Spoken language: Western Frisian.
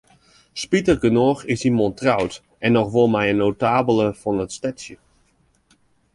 Spitigernôch is de man troud, en noch wol mei in notabele fan it stedsje.